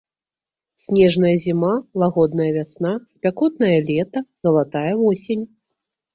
Снежная зіма, лагодная вясна, спякотнае лета, залатая восень.